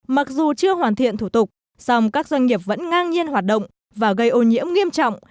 mặc dù chưa hoàn thiện thủ tục song các doanh nghiệp vẫn ngang nhiên hoạt động và gây ô nhiễm nghiêm trọng